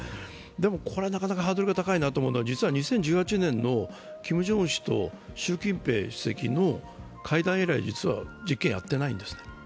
でも、これはなかなかハードルが高いなと思うのは実は２０１８年のキム・ジョンウン氏と習近平主席の会談以来、実験はやってないんです。